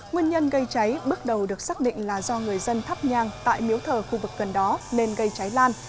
nguyên nhân gây cháy bước đầu được xác định là do người dân thắp nhang tại miếu thờ khu vực gần đó nên gây cháy lan